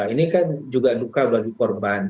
ini kan juga duka bagi korban